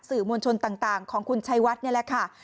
มวลชนต่างของคุณชัยวัดนี่แหละค่ะ